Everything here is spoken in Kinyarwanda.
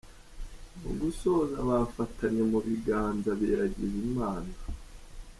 Mu gusoza bafatanye mu biganza biragiza Imana.